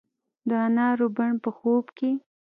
د انارو بڼ په خوب کې